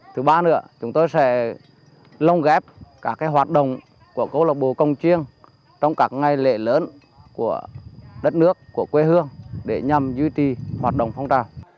thứ ba nữa là chúng tôi sẽ lông ghép các hoạt động của công chiêng trong các ngày lễ lớn của đất nước của quê hương để nhằm duy trì hoạt động phong trào